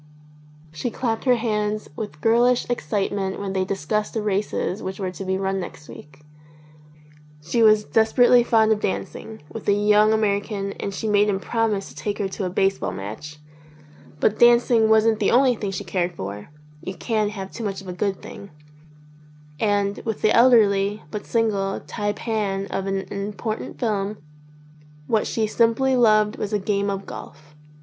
She clapped her hands with girlish excitement when they discussed the races which were to be run next week. She was desperately fond of dancing, with a young American, and she THE LAST CHANCE made him promise to take her to a baseball match ; but dancing wasn't the only thing she cared for (you can have too much of a good thing) and, with the elderly, but single, taipan of an impor tant firm, what she simply loved was a game of golf.